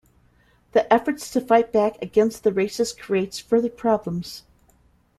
The efforts to fight back against the racist creates further problems.